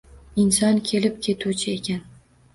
Inson kelib ketuvchi ekan.